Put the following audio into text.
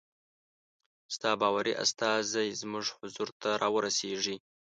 ستا باوري استازی زموږ حضور ته را ورسیږي.